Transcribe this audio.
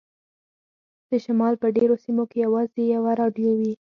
د شمال په ډیرو سیمو کې یوازې یوه راډیو وي